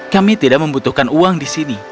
kami tidak membutuhkan uang di sini